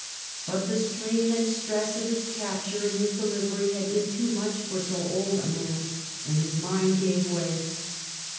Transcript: But the strain and stress of his capture and his delivery had been too much for so old a man, and his mind gave way.